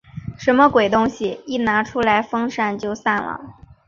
什么鬼东西？一拿出来风扇就散了。